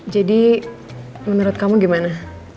jadi menurut kamu gimana